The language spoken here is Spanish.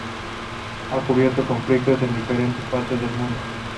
Ha cubierto conflictos en diferentes partes del mundo.